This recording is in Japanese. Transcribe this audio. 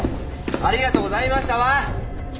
「ありがとうございました」は？